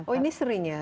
oh ini sering ya